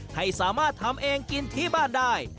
ให้สามารถทำเองกินที่บ้านได้